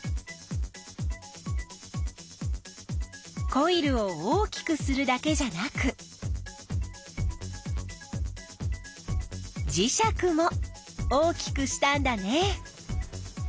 コイルを大きくするだけじゃなく磁石も大きくしたんだね。